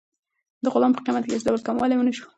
د غلام په قیمت کې هېڅ ډول کموالی ونه شو.